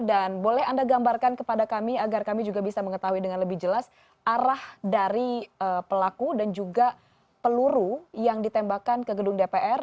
dan boleh anda gambarkan kepada kami agar kami juga bisa mengetahui dengan lebih jelas arah dari pelaku dan juga peluru yang ditembakkan ke gedung dpr